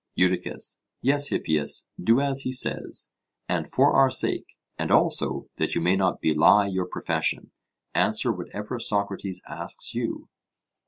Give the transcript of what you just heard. EUDICUS: Yes, Hippias, do as he says; and for our sake, and also that you may not belie your profession, answer whatever Socrates asks you.